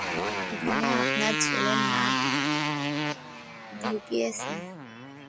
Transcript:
এখানে আপনার ছেলে নাক ঢুকিয়েছে।